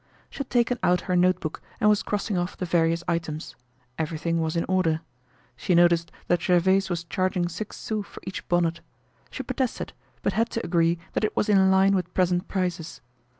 She had taken out her notebook and was crossing off the various items. Everything was in order. She noticed that Gervaise was charging six sous for each bonnet. She protested, but had to agree that it was in line with present prices.